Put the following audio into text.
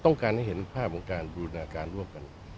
ต้องการให้เห็นภาพของการบูรณาการร่วมกัน